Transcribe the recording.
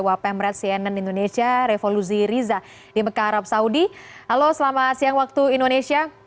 wapen mrad cnn indonesia revolusi riza di mekarab saudi halo selamat siang waktu indonesia